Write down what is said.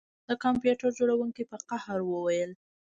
د کمپیوټر جوړونکي په قهر وویل